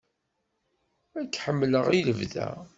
Ad k-ḥemmleɣ i lebda.